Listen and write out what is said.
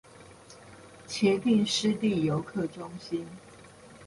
茄萣濕地遊客中心